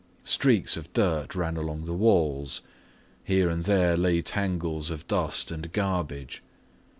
Streaks of dirt ran along the walls; here and there lay tangles of dust and garbage.